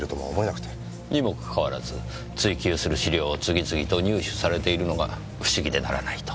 にもかかわらず追及する資料を次々と入手されているのが不思議でならないと？